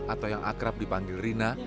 atau yang akrab dipanggil rina